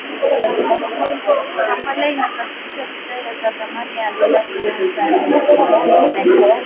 Kampala inasafirisha bidhaa za thamani ya dola milioni sanini na nne